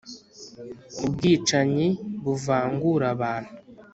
ubwicanyi buvangura abantu